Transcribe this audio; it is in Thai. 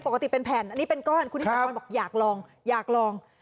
ปกติเป็นแผ่นอันนี้เป็นก้อนคุณนิสากรบอกอยากลองอยากลอง